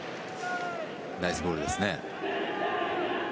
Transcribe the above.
ナイスボールですね。